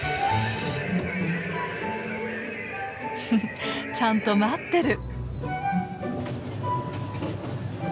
フフちゃんと待ってる。